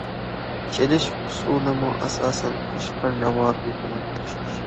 چېلىش ئۇسۇلىمۇ ئاساسەن قەشقەر راۋابى بىلەن ئوخشاش.